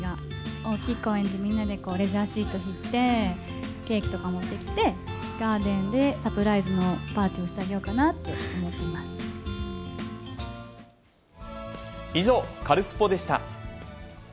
大きい公園でみんなでレジャーシート敷いて、ケーキとか持ってきて、ガーデンでサプライズのパーティーをしてあげようかなって思って以上、カルスポっ！でした。